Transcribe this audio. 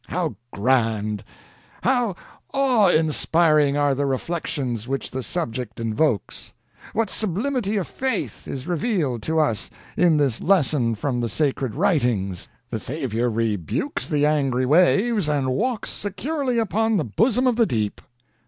How grand, how awe inspiring are the reflections which the subject invokes! What sublimity of faith is revealed to us in this lesson from the sacred writings! The Saviour rebukes the angry waves, and walks securely upon the bosom of the deep!'